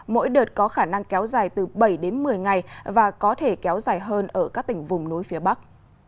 mỗi đợt có khả năng kéo dài từ bảy đến một mươi ngày và có thể kéo dài hơn ở các tỉnh vùng núi phía bắc